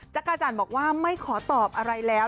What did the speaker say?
จักรจันทร์บอกว่าไม่ขอตอบอะไรแล้ว